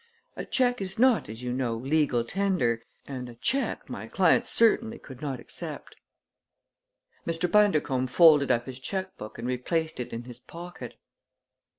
A check is not, as you know, legal tender, and a check my clients certainly could not accept." Mr. Bundercombe folded up his checkbook and replaced it in his pocket.